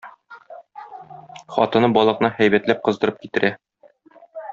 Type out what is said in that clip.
Хатыны балыкны һәйбәтләп кыздырып китерә.